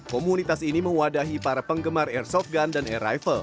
komunitas ini mewadahi para penggemar airsoft gun dan air rifle